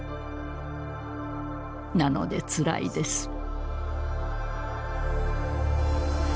なのでつらいです。